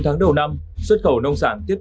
bốn tháng đầu năm xuất khẩu nông sản tiêu dùng